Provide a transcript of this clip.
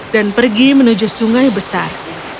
dan pergi menuju sungai besar